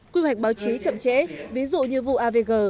quy hoạch báo chí chậm trễ ví dụ như vụ avg